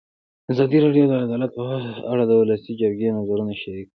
ازادي راډیو د عدالت په اړه د ولسي جرګې نظرونه شریک کړي.